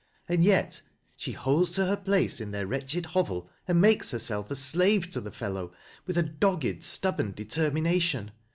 And yet she holds to her place in their wretched hovel, and makes herself a slave to the fellow with a dogged, stubborn de termination.